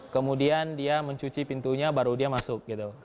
kemudian dia mencuci pintunya baru dia masuk gitu